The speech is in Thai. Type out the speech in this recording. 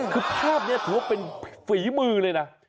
คือภาพนี้ถือว่าเป็นฝีมือเลยนะ